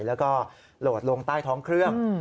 แล้วก็โหลดลงใต้ท้องเครื่อง